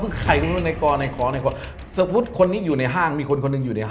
เราทำวิชาชีพอะไร